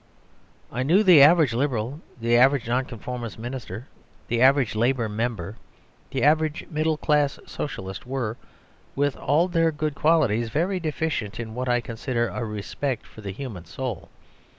I knew the average Liberal, the average Nonconformist minister, the average Labour Member, the average middle class Socialist, were, with all their good qualities, very deficient in what I consider a respect for the human soul.